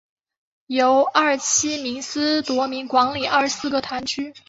由廿七名司铎名管理廿四个堂区。